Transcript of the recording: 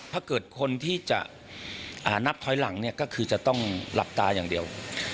ถ้าเกิดคนที่จะนับถอยหลังเนี่ยก็คือจะต้องหลับตาอย่างเดียว